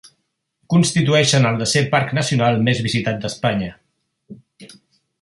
Constitueixen el desè parc nacional més visitat d'Espanya.